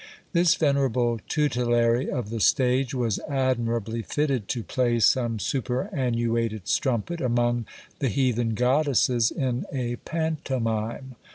This venerable tutelary of the stage was admirably fitted to play some superannuated strumpet among the heathen goddesses in a pantomime.